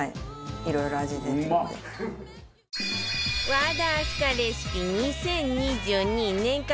和田明日香レシピ２０２２年間